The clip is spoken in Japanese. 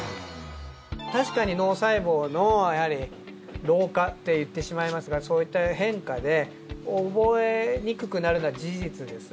確かに脳細胞の老化と言ってしまいますがそういった変化で覚えにくくなるのは事実です。